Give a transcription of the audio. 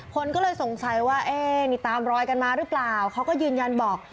คนก็เลยสงสัยว่าเอ๊ะนี่ตามรอยกันมาหรือเปล่าเขาก็ยืนยันบอก